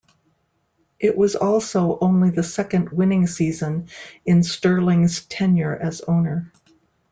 It was also only the second winning season in Sterling's tenure as owner.